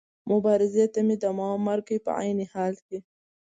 مبارزې ته مې دوام ورکړ، په عین حال کې.